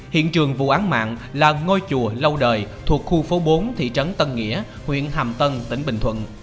hiện trường vụ án mạng là ngôi chùa lâu đời thuộc khu phố bốn thị trấn tân nghĩa huyện hàm tân tỉnh bình thuận